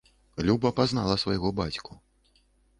Люба пазнала свайго бацьку.